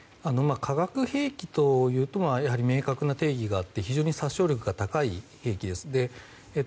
化学兵器というと明確な定義があって非常に殺傷力が高い兵器です。